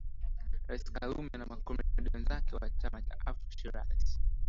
Rais Karume na Makomredi wenzake wa Chama cha Afro Shirazi